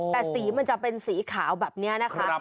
แต่สีมันจะเป็นสีขาวแบบนี้นะคะ